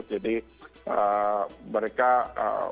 jadi mereka memasang lampu lampu